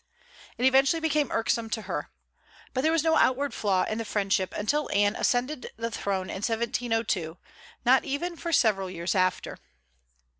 It eventually became irksome to her. But there was no outward flaw in the friendship until Anne ascended the throne in 1702, not even for several years after.